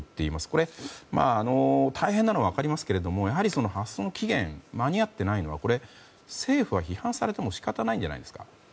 これ、大変なのは分かりますがやはり発送の期限間に合っていないのはこれは政府は批判されても仕方ないんじゃないですか。